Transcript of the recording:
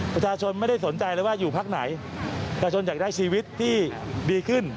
ประชาชนไม่ได้สนใจเลยว่าอยู่พักไหนประชาชนอยากได้ชีวิตที่ดีขึ้น